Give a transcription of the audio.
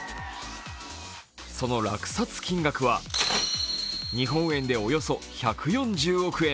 その落札金額は、日本円でおよそ１４０億円。